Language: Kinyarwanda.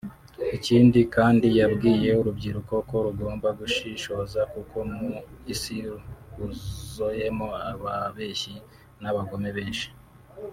Ikindi kandi yabwiye urubyiruko ko rugomba gushishoza kuko mu isi huzoyemo ababeshyi n’abagome benshi